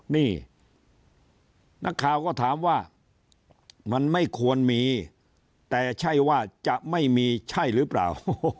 นี่นักข่าวก็ถามว่ามันไม่ควรมีแต่ใช่ว่าจะไม่มีใช่หรือเปล่า